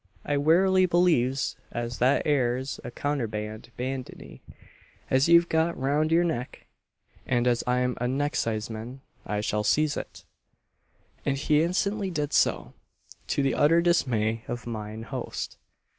I werrily believes as that ere's a counterband bandanny as you've got round your neck and as I'm a necksizeman, I shall seize it!" And he instantly did so to the utter dismay of mine host.